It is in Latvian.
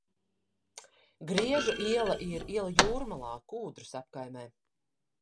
Griežu iela ir iela Jūrmalā, Kūdras apkaimē.